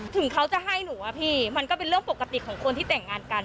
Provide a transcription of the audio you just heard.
ถึงเขาจะให้หนูอะพี่มันก็เป็นเรื่องปกติของคนที่แต่งงานกัน